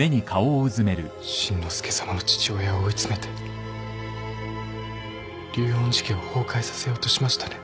新之介さまの父親を追い詰めて竜恩寺家を崩壊させようとしましたね。